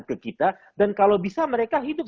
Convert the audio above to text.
ke kita dan kalau bisa mereka hidup